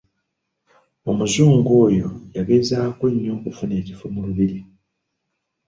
Omuzungu oyo yagezaako nnyo okufuna ekifo mu Lubiri.